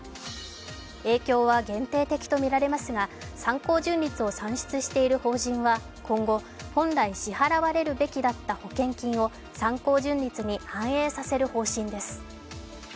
影響は限定的とみられますが参考純率を算出している法人は今後、本来支払われるべきだった保険金を参考純率に反映させる方針です。